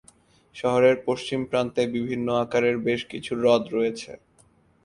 শহরের পশ্চিম প্রান্তে বিভিন্ন আকারের বেশ কিছু হ্রদ রয়েছে।